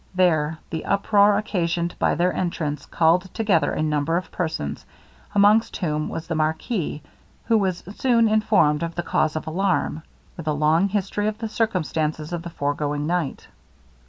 There the uproar occasioned by their entrance called together a number of persons, amongst whom was the marquis, who was soon informed of the cause of alarm, with a long history of the circumstances of the foregoing night.